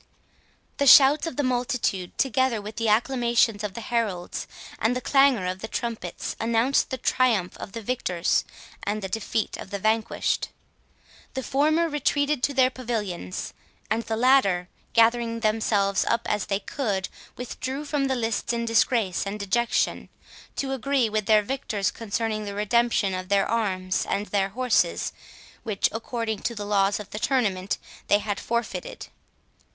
The shouts of the multitude, together with the acclamations of the heralds, and the clangour of the trumpets, announced the triumph of the victors and the defeat of the vanquished. The former retreated to their pavilions, and the latter, gathering themselves up as they could, withdrew from the lists in disgrace and dejection, to agree with their victors concerning the redemption of their arms and their horses, which, according to the laws of the tournament, they had forfeited.